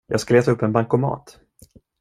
Jag ska leta upp en bankomat.